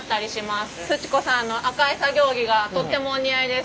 すち子さんの赤い作業着がとってもお似合いです。